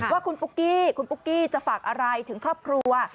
ว่าคุณปุ๊กกี้คุณปุ๊กกี้จะฝากอะไรถึงครอบครัว